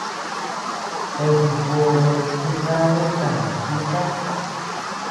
Tochi jobe jikadi kanii jika.